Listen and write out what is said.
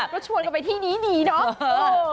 ก็ชวนกันไปที่นี้ดีเนาะ